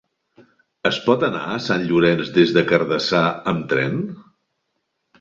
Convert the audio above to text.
Es pot anar a Sant Llorenç des Cardassar amb tren?